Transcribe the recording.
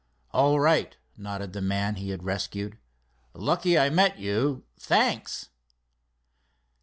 "All right," nodded the man he had rescued. "Lucky I met you. Thanks."